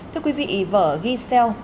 thưa quý vị vở giselle